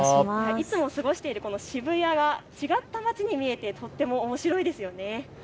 いつも過ごしている渋谷が違った街に見えてとてもおもしろいですよね。